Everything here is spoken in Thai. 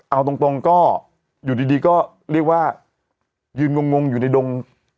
เอาตรงก็อยู่ดีก็เรียกว่ายืนงงอยู่ในดง